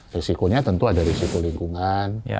risikonya tentu ada risiko lingkungan